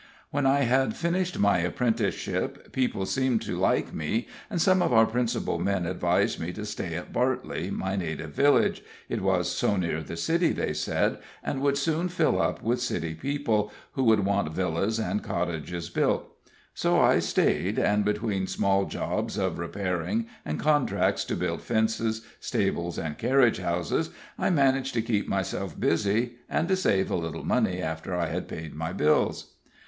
When I had finished my apprenticeship, people seemed to like me, and some of our principal men advised me to stay at Bartley, my native village it was so near the city, they said, and would soon fill up with city people, who would want villas and cottages built. So I staid, and between small jobs of repairing, and contracts to build fences, stables and carriage houses, I managed to keep myself busy, and to save a little money after I had paid my bills.